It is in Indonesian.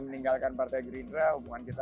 meninggalkan partai gerindra hubungan kita